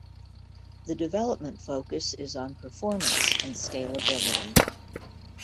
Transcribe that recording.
The development focus is on performance and scalability.